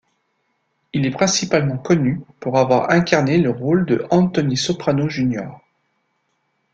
Il est principalement connu pour avoir incarné le rôle de Anthony Soprano, Jr.